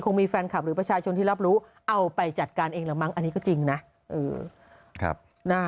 มีแฟนคลับหรือประชาชนที่รับรู้เอาไปจัดการเองละมั้งอันนี้ก็จริงนะ